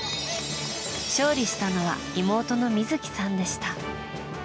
勝利したのは妹の美月さんでした。